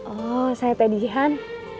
oh saya pedihan